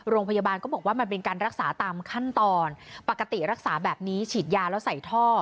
โรงพยาบาลก็บอกว่ามันเป็นการรักษาตามขั้นตอนปกติรักษาแบบนี้ฉีดยาแล้วใส่ท่อ